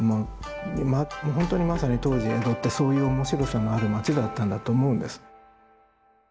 本当にまさに当時江戸ってそういう面白さのある町だったんだと思うんです。